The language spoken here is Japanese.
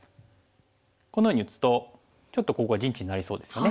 このように打つとちょっとここが陣地になりそうですよね。